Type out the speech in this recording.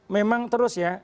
memang terus ya